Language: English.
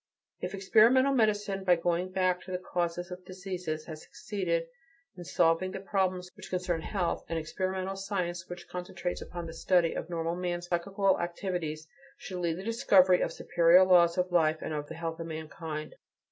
If experimental medicine, by going back to the causes of diseases, has succeeded in solving the problems which concern health, an experimental science which concentrates upon the study of normal man's psychical activities should lead to the discovery of the superior laws of life and of the health of mankind.